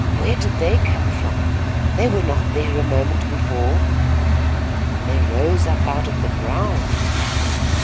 Where did they come from? They were not there a moment before." "They rose up out of the ground."